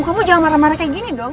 kamu jangan marah marah kayak gini dong